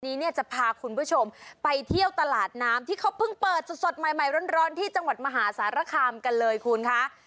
นี้เนี่ยจะพาคุณผู้ชมไปเที่ยวตลาดน้ำที่เขาเพิ่งเปิดสดใหม่ใหม่ร้อนที่จังหวัดมหาสารคามกันเลยคุณคะ